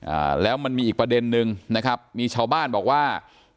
อ่าแล้วมันมีอีกประเด็นนึงนะครับมีชาวบ้านบอกว่า